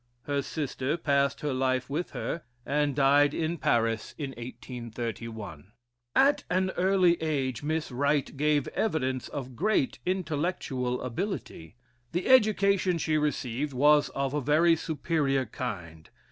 Her sister passed her life with her, and died in Paris in 1831. At an early age, Miss Wright gave evidence of great intellectual ability. The education she received was of a very superior kind.